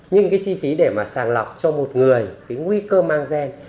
nhưng cái chi phí để mà sàng lọc cho một người cái nguy cơ mang gen